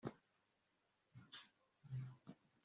aho acumbitse bafite nibura imyaka cumi